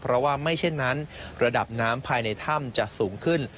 เพราะว่าไม่เช่นนั้นระดับน้ำภายในถ้ำจะสูงขึ้น